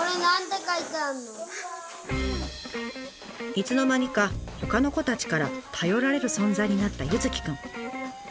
いつの間にかほかの子たちから頼られる存在になった柚輝くん。